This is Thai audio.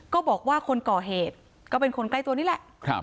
ก็บอกว่าคนก่อเหตุก็เป็นคนใกล้ตัวนี่แหละ